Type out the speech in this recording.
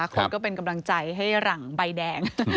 คนก็เป็นกำลังใจให้หลังใบแดง